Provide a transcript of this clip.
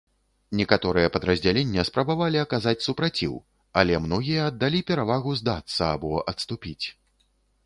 Некаторыя падраздзялення спрабавалі аказаць супраціў, але многія аддалі перавагу здацца або адступіць.